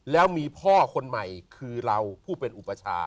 แล้วมีพ่อคนใหม่คือเราผู้เป็นอุปชา